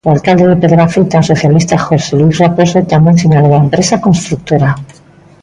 O alcalde de Pedrafita, o socialista José Luís Raposo, tamén sinalou á empresa construtora.